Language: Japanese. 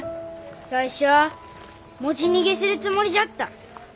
最初は持ち逃げするつもりじゃった。